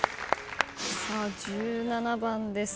さあ１７番です。